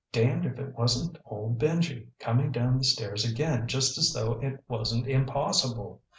Damned if it wasn't old Benji, coming down the stairs again just as though it wasn't impossible.